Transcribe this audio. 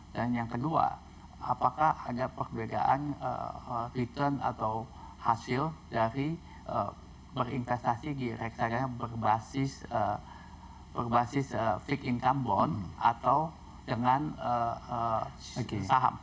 dan yang kedua apakah ada perbedaan return atau hasil dari berinvestasi di reksadanya berbasis fake income bond atau dengan saham